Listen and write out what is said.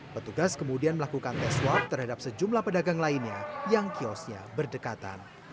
petugas kemudian melakukan tes swab terhadap sejumlah pedagang lainnya yang kiosnya berdekatan